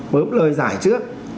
mớm lời giải trước